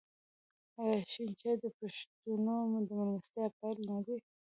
آیا شین چای د پښتنو د میلمستیا پیل نه دی؟